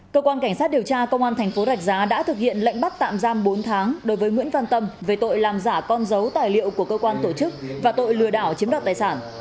cơ quan cảnh sát điều tra công an thành phố rạch giá đã thực hiện lệnh bắt tạm giam bốn tháng đối với nguyễn văn tâm về tội làm giả con dấu tài liệu của cơ quan tổ chức và tội lừa đảo chiếm đoạt tài sản